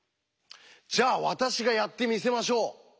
じゃあ私がやってみせましょう。